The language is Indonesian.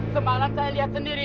semalam saya lihat sendiri